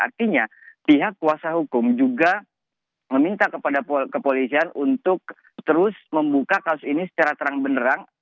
artinya pihak kuasa hukum juga meminta kepada kepolisian untuk terus membuka kasus ini secara terang benerang